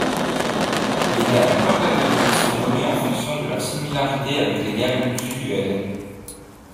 Les gammes pentatoniques sont nommées en fonction de leur similarité avec les gammes usuelles.